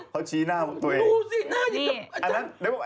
เขาชี้หน้าตัวเองนี่ดูสิหน้าเย็นกว่า